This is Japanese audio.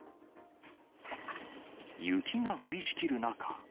雪が降りしきる中。